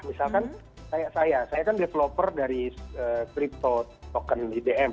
misalkan kayak saya saya kan developer dari crypto token ibm